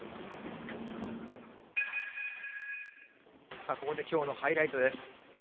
さあ、ここできょうのハイライトです。